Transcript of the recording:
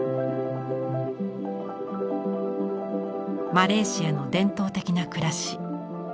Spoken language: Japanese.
マレーシアの伝統的な暮らし。